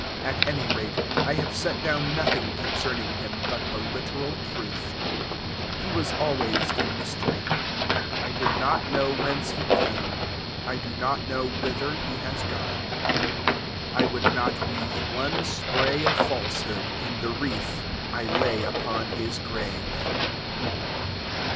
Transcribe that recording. At any rate, I have set down nothing concerning him, but the literal truth. He was always a mystery. I did not know whence he came; I do not know whither he has gone. I would not weave one spray of falsehood in the wreath I lay upon his grave.